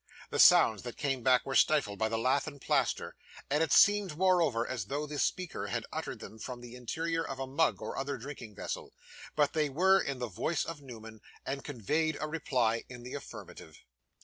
The sounds that came back were stifled by the lath and plaster, and it seemed moreover as though the speaker had uttered them from the interior of a mug or other drinking vessel; but they were in the voice of Newman, and conveyed a reply in the affirmative.